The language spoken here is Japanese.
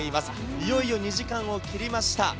いよいよ２時間を切りました。